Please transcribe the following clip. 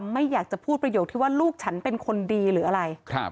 ไม่อยากจะพูดประโยคที่ว่าลูกฉันเป็นคนดีหรืออะไร